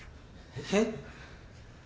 えっ？